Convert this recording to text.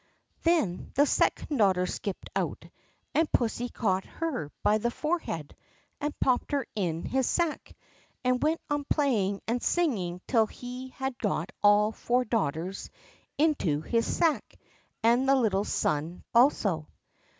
Then the second daughter skipped out, and pussy caught her by the forehead, and popped her into his sack, and went on playing and singing till he had got all four daughters into his sack, and the little son also.